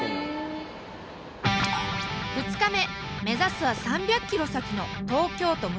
２日目目指すは３００ｋｍ先の東京都武蔵野市。